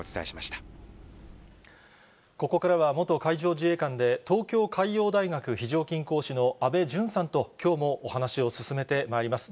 ここからは、元海上自衛官で、東京海洋大学非常勤講師の安倍淳さんと、きょうもお話を進めてまいります。